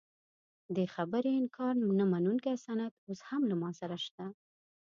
دې خبرې انکار نه منونکی سند اوس هم له ما سره شته.